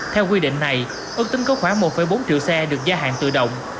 theo quy định này ước tính có khoảng một bốn triệu xe được gia hạn tự động